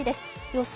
予想